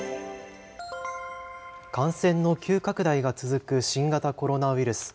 感染の急拡大が続く新型コロナウイルス。